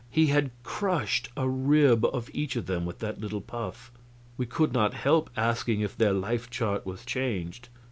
He had crushed a rib of each of them with that little puff. We could not help asking if their life chart was changed.